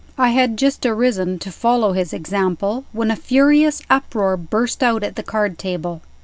I had just arisen, to follow his example, when a furious uproar burst out at the card table.